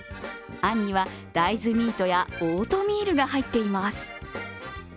あんには、大豆ミートやオートミールが入っています。